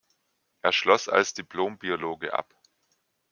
Er schloss als Diplom-Biologe ab.